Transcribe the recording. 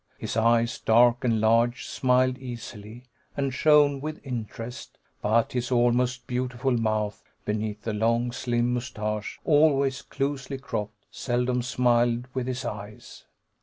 His eyes, dark and large, smiled easily, and shone with interest, but his almost beautiful mouth, beneath the long slim mustache, always closely cropped, seldom smiled with his eyes.